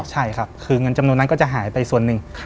ใช่ครับคือเงินจำนวนนั้นก็จะหายไปส่วนหนึ่ง